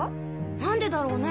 何でだろうね？